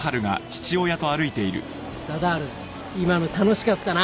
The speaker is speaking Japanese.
定春今の楽しかったな